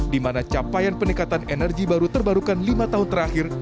dimana capaian peningkatan energi baru terbarukan lima tahun terakhir